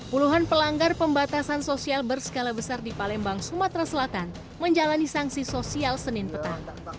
puluhan pelanggar pembatasan sosial berskala besar di palembang sumatera selatan menjalani sanksi sosial senin petang